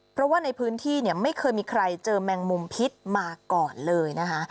เพราะว่าในพื้นที่เนี่ยไม่เคยมีใครเจอแมงมุมพิษมาก่อนเลยนะคะ